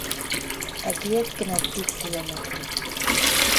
Әкиәт кенә тиҙ һөйләнә...